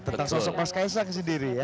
tentang sosok mas kaisang sendiri ya